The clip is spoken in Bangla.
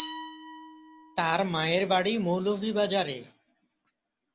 তার মায়ের বাড়ি মৌলভীবাজারে।